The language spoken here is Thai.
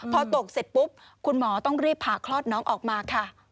พอตกเสร็จปุ๊บคุณหมอต้องรีบผ่าคลอดน้องออกมาค่ะ